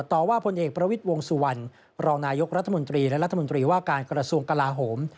ต่อว่าพลเอกประวิทย์วงสุวรรณรองนายกรัฐมนตรีและรัฐมนตรีว่าการกระทรวงกลาโหม